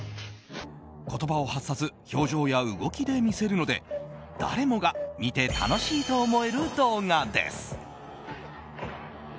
言葉を発さず表情や動きで見せるので誰もが見て楽しいと思える動画です。